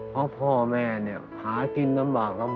เพราะพ่อแม่หากินน้ำบากละบนมา